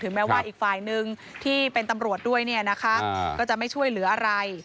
แม้ว่าอีกฝ่ายนึงที่เป็นตำรวจด้วยเนี่ยนะคะก็จะไม่ช่วยเหลืออะไร